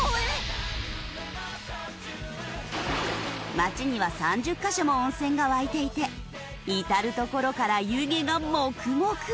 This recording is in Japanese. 町には３０カ所も温泉が湧いていて至る所から湯気がモクモク！